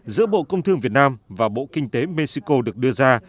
giữa bộ công thương việt nam và bộ kinh tế mexico được đưa ra